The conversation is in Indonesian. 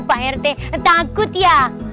pak rt takut ya